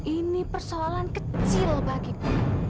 ini persoalan kecil bagiku